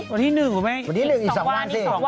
วันที่๑เขาใหญ่ไหมอีกวายห่วงมาวันที่๑อีก๒วัน